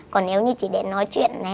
còn nếu như chỉ để nói chuyện